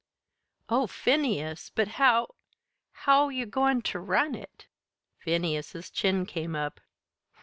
"Oh, Phineas! But how how you goin' ter run it?" Phineas's chin came up.